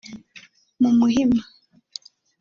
mu Muhima